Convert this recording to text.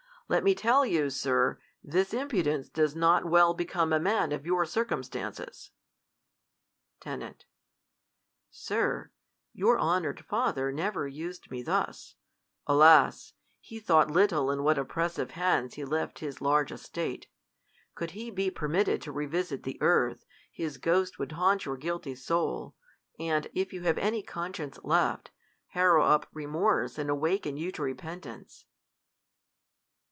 Let me teil you, Sir, THE COLUMBIAN ORATOR. SI this impudence does not well become a man of yoili' circumstances. Ten, " Sir, your honored father never used me thus." Alas! he little thought in what oppressi\7e hands he leftvhis large estate. Could he be permit ted to revisit the earth, his ghost would haunt your guilty soul ; and, if you have any conscience left, harrow up remorse, and awaken you to repentance.